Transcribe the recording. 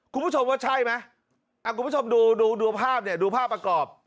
คุณผู้ชมว่าใช่ไหมคุณผู้ชมดูภาพประกอบ